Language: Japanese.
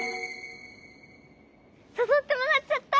さそってもらっちゃった！